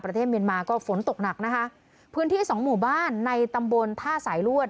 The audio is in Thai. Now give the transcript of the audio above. ประเทศเมียนมาก็ฝนตกหนักนะคะพื้นที่สองหมู่บ้านในตำบลท่าสายลวด